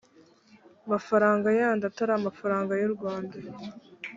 mafaranga yandi atari amafaranga y urwanda